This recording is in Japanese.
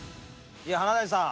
華大さん。